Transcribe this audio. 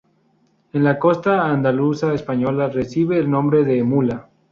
En la costa andaluza española, recibe el nombre de "mula".